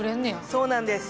そうなんです。